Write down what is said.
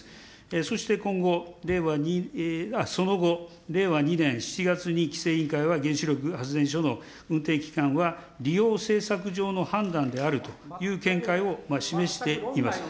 そして今後、そしてその後、令和２年７月に規制委員会は、原子力発電所の運転期間は利用せいさく上の判断であるという見解を示しています。